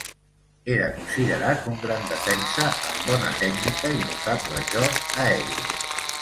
Era considerat un gran defensa amb bona tècnica i notable joc aeri.